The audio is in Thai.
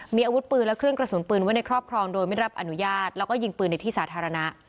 มีอาวุธปืนและเครื่องกระสุนปืนไว้ในครอบครองโดยไม่รับอนุญาตแล้วก็ยิงปืนในที่สาธารณะ